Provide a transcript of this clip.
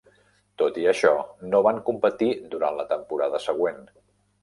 Tot i això, no van competir durant la temporada següent.